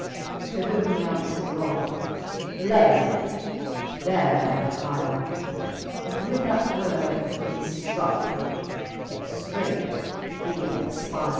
To whom he aunfwered wroth, Loe there thy hire; And with that word him ftrooke, that ftreightjhe did expire.